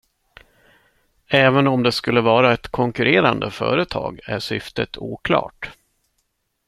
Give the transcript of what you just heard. Även om det skulle vara ett konkurrerande företag är syftet oklart.